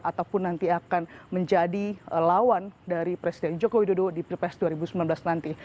ataupun nanti akan menjadi lawan dari presiden joko widodo di pilpres dua ribu sembilan belas nanti